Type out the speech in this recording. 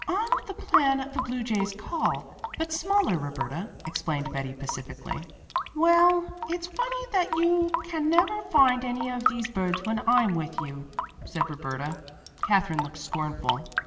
"On the plan of a blue jay's call, but smaller, Roberta," explained Betty pacifically. "Well, it's funny that you can never find any of these birds when I'm with you," said Roberta. Katherine looked scornful.